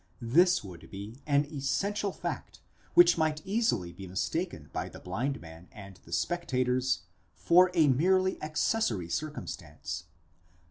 This would be an essential fact which might easily be mistaken by the blind man and the spectators for a merely accessory circumstance.